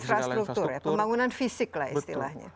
infrastruktur ya pembangunan fisik lah istilahnya